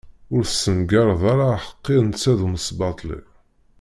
Ur tessengareḍ ara aḥeqqi netta d umesbaṭli!